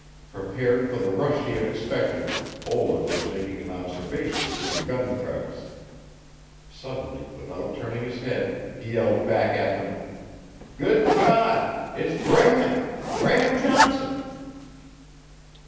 Prepared for the rush he had expected, Olaf was making an observation through the gun crevice. Suddenly, without turning his head, he yelled back at them: "Good God it's Bram Bram Johnson!"